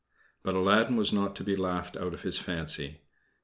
But Aladdin was not to be laughed out of his fancy.